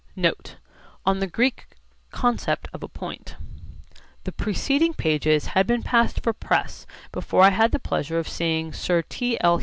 NOTE: ON THE GREEK CONCEPT OF A POINT The preceding pages had been passed for press before I had the pleasure of seeing Sir T. L.